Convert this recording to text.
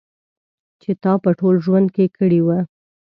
چې تا په ټول ژوند کې کړی و.